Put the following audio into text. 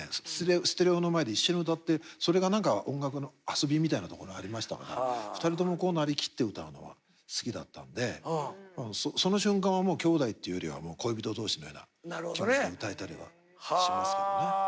ステレオの前で一緒に歌ってそれが何か音楽の遊びみたいなところありましたから２人ともこうなりきって歌うのは好きだったんでその瞬間はきょうだいっていうよりは恋人同士のような気持ちで歌えたりはしますけどね。